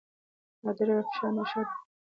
نادر افشار دا ښار بیا لاندې کړ.